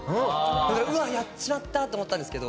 だから「うわっやっちまった」って思ったんですけど。